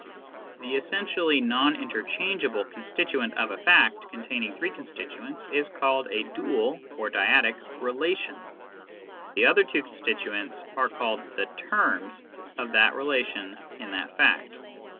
The essentially non interchangeable constituent of a fact containing three constituents is called a dual (or dyadic) relation ; the other two constituents are called the terms of that relation in that fact.